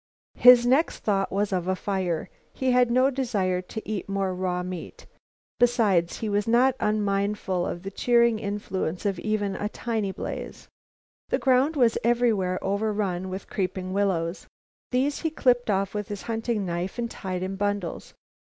His next thought was of a fire. He had no desire to eat more raw meat, besides he was not unmindful of the cheering influence of even a tiny blaze. The ground was everywhere over run with creeping willows. These he clipped off with his hunting knife and tied in bundles.